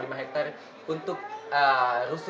dan satu lima hektare untuk rusun komersial begitu